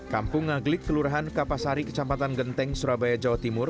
kampung ngaglik kelurahan kapasari kecamatan genteng surabaya jawa timur